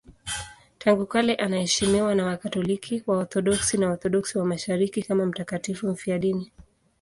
Tangu kale anaheshimiwa na Wakatoliki, Waorthodoksi na Waorthodoksi wa Mashariki kama mtakatifu mfiadini.